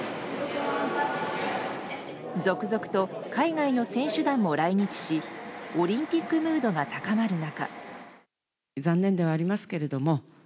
続々と海外の選手団も来日しオリンピックムードが高まる中。